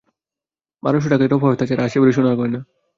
বারোশো টাকায় রফা হয়, তা ছাড়া আশি ভরি সোনার গয়না।